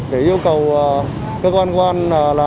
để yêu cầu cơ quan quân